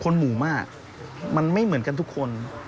หมู่มากมันไม่เหมือนกันทุกคน